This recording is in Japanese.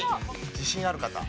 自信ある方？